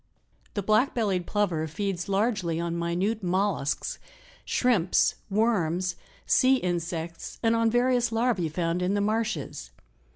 The Black bellied Plover feeds largely on minute mollusks, shrimps, worms, sea insects and on various larvae found in the marshes.